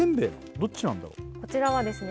どっちなんだろこちらはですね